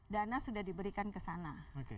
dana sudah diberikan ke sana